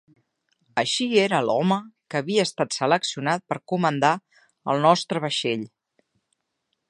Així era l'home que havia estat seleccionat per comandar el nostre vaixell.